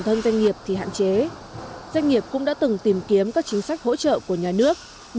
thân doanh nghiệp thì hạn chế doanh nghiệp cũng đã từng tìm kiếm các chính sách hỗ trợ của nhà nước